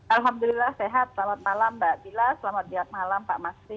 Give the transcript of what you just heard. alhamdulillah sehat selamat malam mbak bila selamat siang malam pak masri